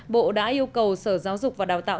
bộ đã yêu cầu sở giáo dục và đào tạo